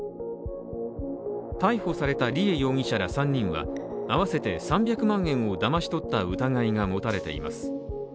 逮捕された梨恵容疑者ら３人は合わせて３００万円をだまし取った疑いが持たれています。